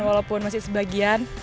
walaupun masih sebagian